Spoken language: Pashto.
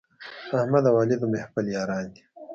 احمد او علي د محفل یاران دي.